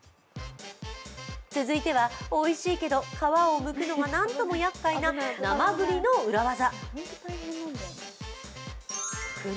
続いては、おいしいけど皮をむくのがなんともやっかいな生ぐりの裏技。